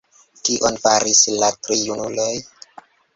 Kion faris la tri junuloj?